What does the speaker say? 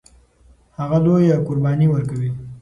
هغه لویه قرباني ورکوي.